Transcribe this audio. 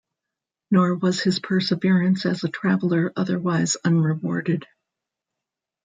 Nor was his perseverance as a traveller otherwise unrewarded.